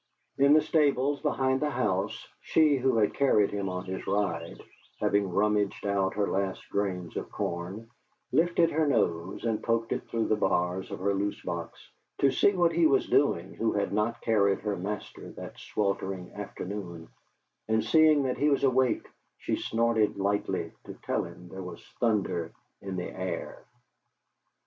In the stables behind the house she who had carried him on his ride, having rummaged out her last grains of corn, lifted her nose and poked it through the bars of her loosebox to see what he was doing who had not carried her master that sweltering afternoon, and seeing that he was awake, she snorted lightly, to tell him there was thunder in the air.